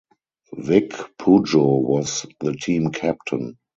Vic Pujo was the team captain.